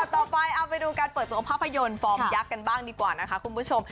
ต่อไปเอาไปดูการเปิดตัวภาพยนตร์ฟอร์มยักษ์กันบ้างดีกว่านะคะคุณผู้ชม